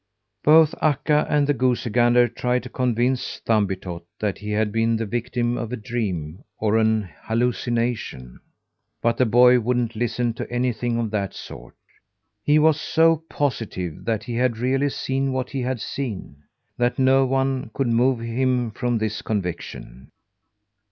Both Akka and the goosey gander tried to convince Thumbietot that he had been the victim of a dream, or an hallucination, but the boy wouldn't listen to anything of that sort. He was so positive that he had really seen what he had seen, that no one could move him from this conviction.